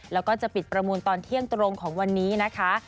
แล้วก็จะปิดประมูลตอนเที่ยงตรงของวันนี้นะคะ